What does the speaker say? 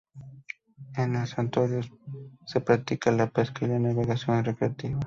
En el estuario se practica la pesca y la navegación recreativa.